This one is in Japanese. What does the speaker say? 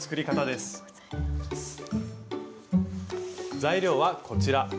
材料はこちら。